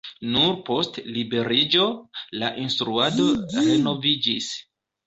Nur post liberiĝo la instruado renoviĝis.